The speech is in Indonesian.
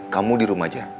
kamu dirumah aja